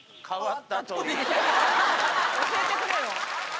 教えてくれよ！